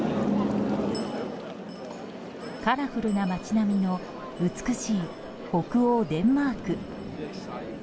カラフルな街並みの美しい北欧デンマーク。